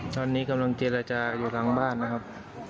ตอนนี้กำลังเจรจาอยู่ทางบ้านนะครับ